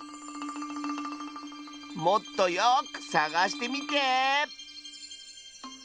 もっとよくさがしてみて！